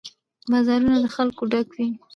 بازارونه له خلکو ډک وي.